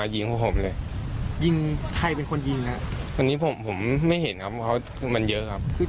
ยิงนักแรกนี้ยังไง